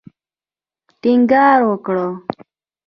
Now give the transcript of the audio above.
ټینګار وکړ.